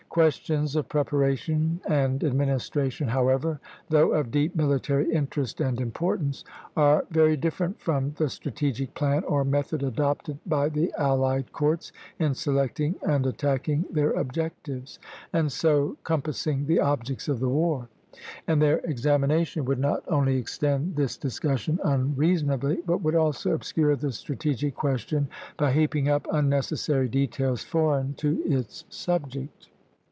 Questions of preparation and administration, however, though of deep military interest and importance, are very different from the strategic plan or method adopted by the allied courts in selecting and attacking their objectives, and so compassing the objects of the war; and their examination would not only extend this discussion unreasonably, but would also obscure the strategic question by heaping up unnecessary details foreign to its subject.